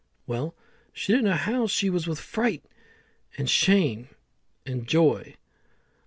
Well, she didn't know how she was with fright, and shame, and joy.